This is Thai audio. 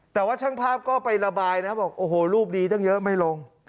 แต่ว่าช่างภาพก็ไประบายนะบอกโอ้โหรูปดีตั้งเยอะไม่ลง